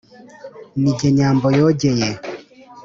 Ni jye Nyambo yogeye